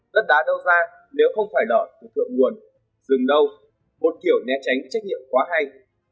đất đá đâu ra nếu không phải lở từ thượng nguồn rừng đâu một kiểu né tránh trách nhiệm quá hay